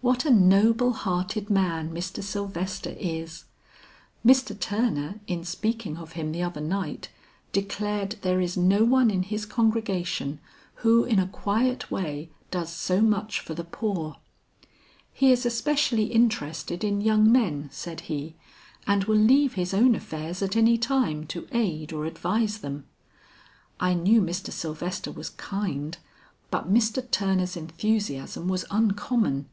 "What a noble hearted man Mr. Sylvester is! Mr. Turner in speaking of him the other night, declared there is no one in his congregation who in a quiet way does so much for the poor. 'He is especially interested in young men,' said he, 'and will leave his own affairs at any time to aid or advise them.' I knew Mr. Sylvester was kind, but Mr. Turner's enthusiasm was uncommon.